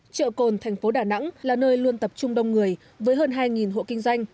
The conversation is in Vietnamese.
chợ cồn thành phố đà nẵng là nơi luôn tập trung đông người với hơn hai hộ kinh doanh